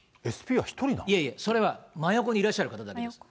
いえいえ、それは真横にいらっしゃる方です。